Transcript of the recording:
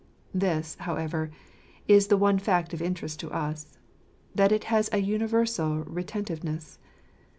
This, however, is the one fact of interest to us —that it has a universal retentiveness.